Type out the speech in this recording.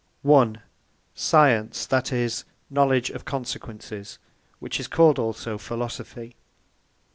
I. Science, that is, Knowledge of Consequences; which is called also PHILOSOPHY A.